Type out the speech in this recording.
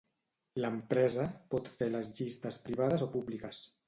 L'empresa pot fer les llistes privades o públiques.